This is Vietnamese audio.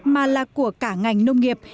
mà là của cả ngành nông nghiệp